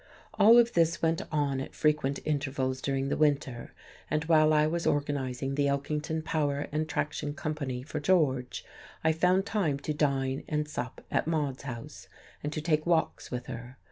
All of this went on at frequent intervals during the winter, and while I was organizing the Elkington Power and Traction Company for George I found time to dine and sup at Maude's house, and to take walks with her.